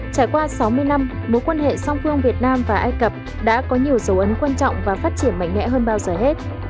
trải qua sáu mươi năm mối quan hệ song phương việt nam và ai cập đã có nhiều dấu ấn quan trọng và phát triển mạnh mẽ hơn bao giờ hết